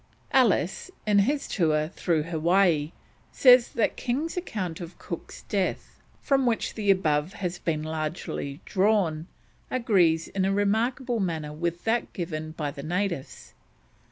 Ellis, in his Tour through Hawaii, says that King's account of Cook's death, from which the above has been largely drawn, agrees in a remarkable manner with that given by the natives.